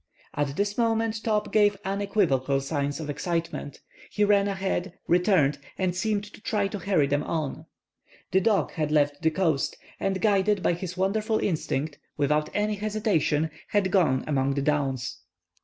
At this moment Top gave unequivocal signs of excitement. He ran ahead, returned, and seemed to try to hurry them on. The dog had left the coast, and guided by his wonderful instinct, without any hesitation had gone among the downs.